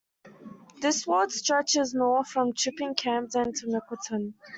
This ward stretches north from "Chipping Campden" to Mickleton.